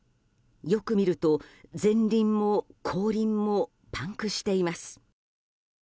よく見ると前輪も後輪もパンクしています。